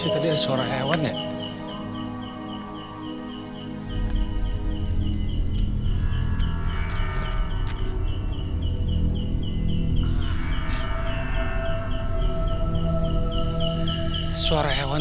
jadi sebagai mah joon van